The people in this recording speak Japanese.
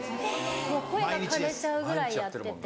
もう声がかれちゃうぐらいやってて。